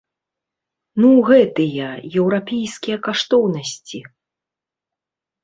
Ну гэтыя, еўрапейскія каштоўнасці!